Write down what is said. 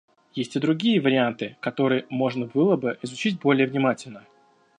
Есть и другие варианты, которые можно было бы изучить более внимательно.